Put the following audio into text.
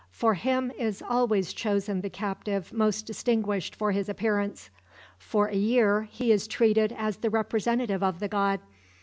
For him is always chosen the captive most distinguished for his appearance. For a year he is treated as the representative of the god.